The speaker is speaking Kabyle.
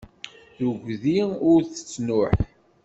Tuggdi ur tettnuḥ.